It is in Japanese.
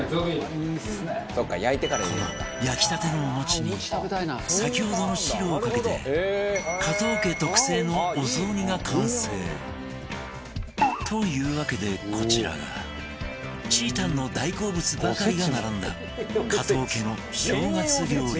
この焼きたてのお餅に先ほどの汁をかけて加藤家特製のお雑煮が完成というわけでこちらがちーたんの大好物ばかりが並んだ加藤家の正月料理